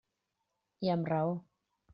I amb raó.